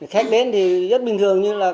khách đến thì rất bình thường như là